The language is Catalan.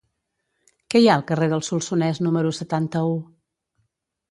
Què hi ha al carrer del Solsonès número setanta-u?